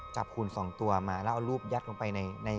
หุ่น๒ตัวมาแล้วเอารูปยัดลงไปใน